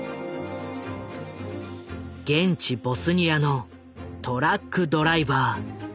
現地ボスニアのトラックドライバー。